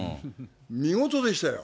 見事でしたよ。